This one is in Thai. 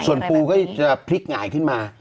ส่วนปูก็จะพลิกหงายขึ้นมา